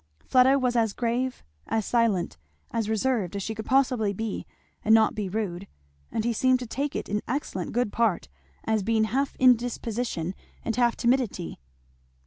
Fleda was as grave, as silent, as reserved, as she could possibly be and not be rude; but he seemed to take it in excellent good part, as being half indisposition and half timidity.